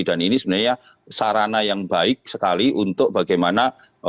dan ini sebenarnya sarana yang baik sekali untuk bagaimana